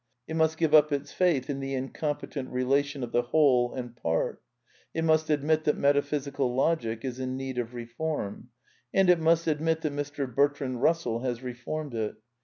It must give up its faith in the incompetent relation of the whole and part I It must admit that Metaphysical Logic is in need of re [ form. And it must admit that Mr. Bertrand Eussell has reformed it.